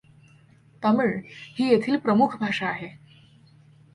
तमिळ ही येथील प्रमुख भाषा आहे.